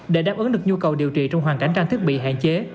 để đáp ứng được nhu cầu điều trị trong hoàn cảnh trang thiết bị hạn chế